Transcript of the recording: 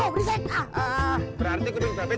berarti kuding babet